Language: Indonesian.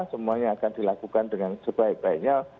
semuanya akan dilakukan dengan sebaik baiknya